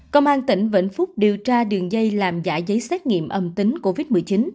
công an tỉnh vĩnh phúc điều tra đường dây làm giả giấy xét nghiệm âm tính covid một mươi chín